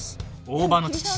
大場の父